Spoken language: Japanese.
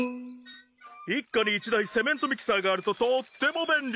一家に一台セメントミキサーがあるととっても便利。